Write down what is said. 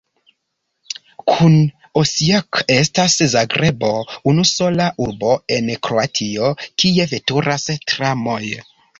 Kun Osijek estas Zagrebo unusola urbo en Kroatio, kie veturas tramoj.